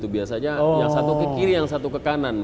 biasanya yang satu ke kiri yang satu ke kanan